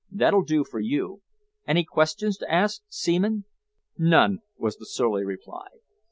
That'll do for you. Any questions to ask, Seaman?" "None," was the surly reply.